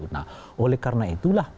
nah oleh karena itulah